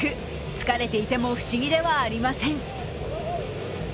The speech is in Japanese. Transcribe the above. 疲れていても不思議ではありません。